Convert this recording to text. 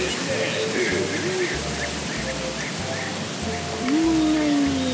どこにもいないね。